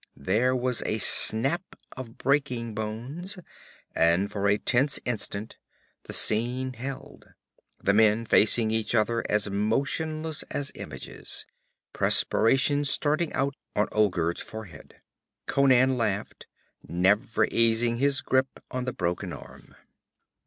There was a snap of breaking bones, and for a tense instant the scene held: the men facing each other as motionless as images, perspiration starting out on Olgerd's forehead. Conan laughed, never easing his grip on the broken arm.